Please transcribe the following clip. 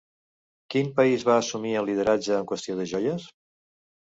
Quin país va assumir el lideratge en qüestió de joies?